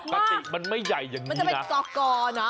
ปกติมันไม่ใหญ่อย่างนี้มันจะเป็นกอเนอะ